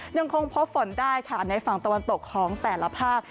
ยังคงพบฝนได้ค่ะในฝั่งตะวันตกของแต่ละภาค